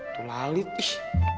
tuh lalit ih